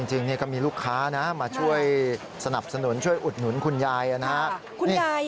จริงก็มีลูกค้านะมาช่วยสนับสนุนช่วยอุดหนุนคุณยายนะครับ